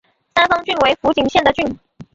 三方郡为福井县的郡。